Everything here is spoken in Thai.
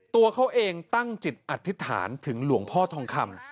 ตัวเขาเองตั้งจิตอธิษฐานถึงหลวงพ่อทองคำ